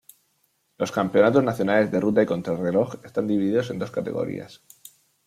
Los Campeonatos nacionales de ruta y contrarreloj están divididos en dos categorías.